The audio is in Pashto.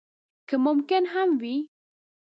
که ممکن هم وي.